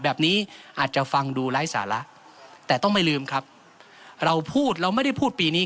แบบนี้อาจจะฟังดูไร้สาระแต่ต้องไม่ลืมครับเราพูดเราไม่ได้พูดปีนี้